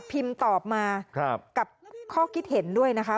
ตอบมากับข้อคิดเห็นด้วยนะคะ